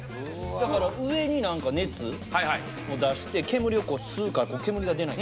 だから何か上に熱を出して煙を吸うから煙が出ない。